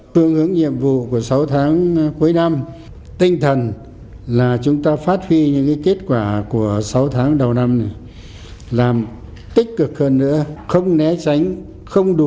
tương ứng nhiệm vụ của sáu tháng cuối năm tinh thần là chúng ta phát huy những kết quả của sáu tháng đầu năm này làm tích cực hơn nữa không né tránh không đủ